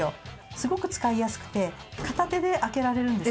すごく使いやすくて片手で開けられるんです。